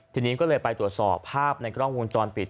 ทีนี้ก็เลยไปตรวจสอบภาพในกล้องวงจรปิด